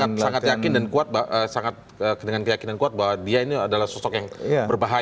sangat yakin dan kuat sangat dengan keyakinan kuat bahwa dia ini adalah sosok yang berbahaya